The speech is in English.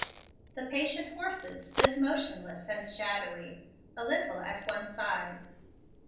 The patient horses stood motionless and shadowy, a little at one side.